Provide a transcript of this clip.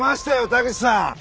田口さん！